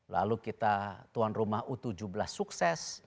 lalu kita tuan rumah u tujuh belas sukses